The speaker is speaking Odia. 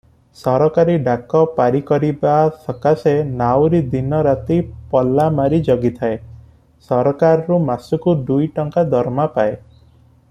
ସରକାରୀ ଡାକ ପାରିକରିବା ସକାଶେ ନାଉରୀ ଦିନରାତି ପଲାମାରି ଜଗିଥାଏ, ସରକାରରୁ ମାସକୁ ଦୁଇଟଙ୍କା ଦରମା ପାଏ ।